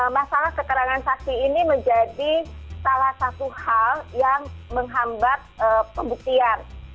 masalah keterangan saksi ini menjadi salah satu hal yang menghambat pembuktian